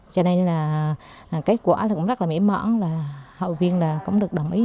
cho nên là kết quả cũng rất là mỉm mỏng là hội viên cũng được đồng ý một trăm linh